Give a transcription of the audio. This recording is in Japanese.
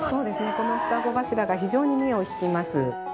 この双子柱が非常に目を引きます。